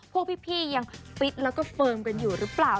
พวกพี่ยังฟิตแล้วก็เฟิร์มกันอยู่หรือเปล่า